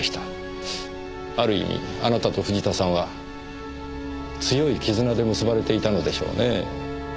ある意味あなたと藤田さんは強い絆で結ばれていたのでしょうねぇ。